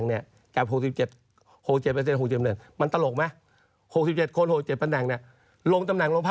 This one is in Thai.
อันนี้คือข้อราหารนะอันนี้ที่เขาเรียกกันในวงการนะ